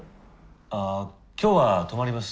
ああ今日は泊まります。